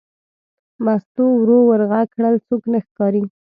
مستو ورو ور غږ کړل: څوک نه ښکاري.